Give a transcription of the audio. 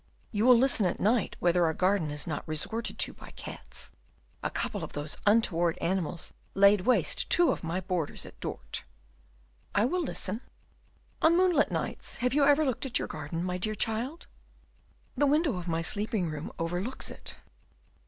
You will listen at night whether our garden is not resorted to by cats. A couple of those untoward animals laid waste two of my borders at Dort." "I will listen." "On moonlight nights have you ever looked at your garden, my dear child?" "The window of my sleeping room overlooks it."